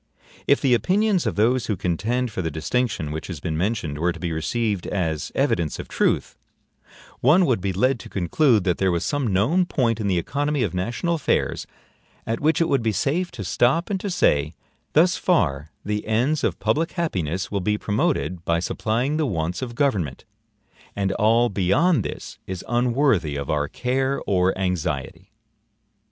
If the opinions of those who contend for the distinction which has been mentioned were to be received as evidence of truth, one would be led to conclude that there was some known point in the economy of national affairs at which it would be safe to stop and to say: Thus far the ends of public happiness will be promoted by supplying the wants of government, and all beyond this is unworthy of our care or anxiety.